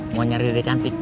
mau nyari dede cantik